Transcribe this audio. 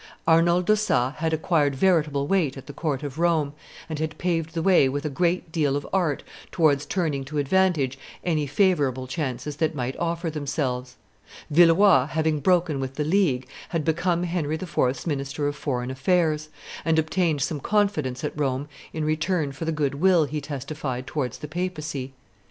Arnold d'Ossat had acquired veritable weight at the court of Rome, and had paved the way with a great deal of art towards turning to advantage any favorable chances that might offer themselves. Villeroi, having broken with the League, had become Henry IV.'s minister of foreign affairs, and obtained some confidence at Rome in return for the good will he testified towards the papacy.